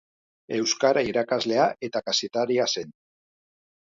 Euskara irakaslea eta kazetaria zen.